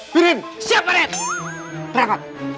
piring siap adek terang